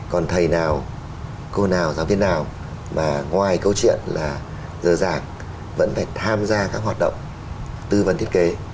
còn thầy nào cô nào giáo viên nào mà ngoài câu chuyện là dơ giảng vẫn phải tham gia các hoạt động tư vấn thiết kế